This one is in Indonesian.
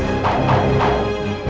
aku akan menang